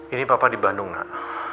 ini papa di bandung nak